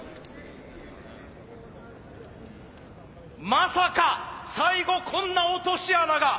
まさか最後こんな落とし穴が。